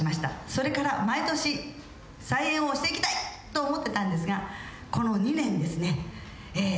それから毎年再演をしていきたいと思ってたんですがこの２年ですねえ